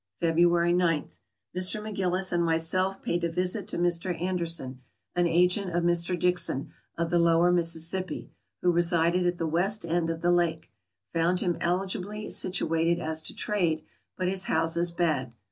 February p. — Mr. McGillis and myself paid a visit to Mr. Anderson, an agent of Mr. Dickson, of the lower Mis sissippi, who resided at the west end of the lake. Found him eligibly situated as to trade, but his houses bad.